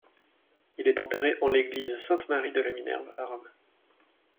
Il est enterré en l'église Sainte-Marie-de-la-Minerve à Rome.